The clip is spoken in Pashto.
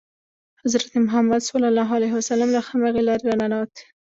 حضرت محمد له همغې لارې را ننووت.